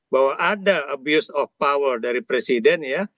bahwa ada abuse of power dari presiden ya